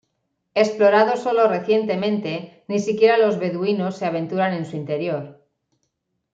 Explorado solo recientemente, ni siquiera los beduinos se aventuran en su interior.